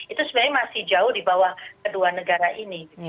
itu sebenarnya masih jauh di bawah kedua negara ini